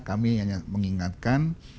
kami hanya mengingatkan